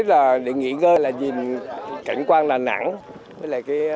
và sau đó chúng tôi đã gặp mọi người